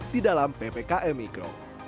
di dalam ppkm mikro